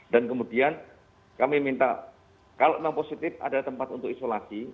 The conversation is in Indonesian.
dan kemudian kami minta kalau memang positif ada tempat untuk isolasi